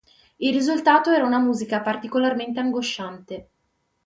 Il risultato era una musica particolarmente angosciante.